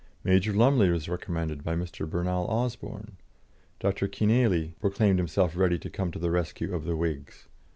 Major Lumley was recommended by Mr. Bernal Osborne. Dr. Kenealy proclaimed himself ready to come to the rescue of the Whigs.